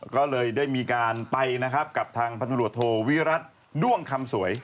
ก็เลยได้มีการไปกับทางพันธุโหลโทวิรัทด้วงคำสวย